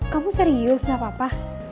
kamu serius gak apa apa